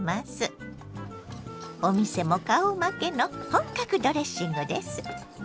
お店も顔負けの本格ドレッシングです。